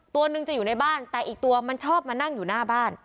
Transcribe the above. ตัวหนึ่งจะอยู่ในบ้านแต่อีกตัวมันชอบมานั่งอยู่หน้าบ้าน